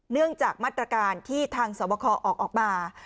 เนื่องจากมาตรการที่ทางสวบคอออกมา